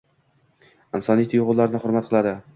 Insoniy tuygʻularni hurmat qiladi.